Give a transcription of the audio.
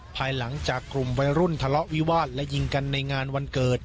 ภายหลังจากกลุ่มวัยรุ่นทะเลาะวิวาสและยิงกันในงานวันเกิด